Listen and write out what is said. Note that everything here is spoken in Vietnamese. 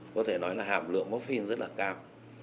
có thể nói là hàm lượng mốc phiên rất là cao